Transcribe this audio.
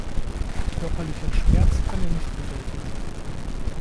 Körperlichen Schmerz kann er nicht bewältigen.